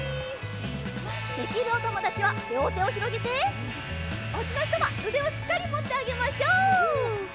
できるおともだちはりょうてをひろげておうちのひとはうでをしっかりもってあげましょう！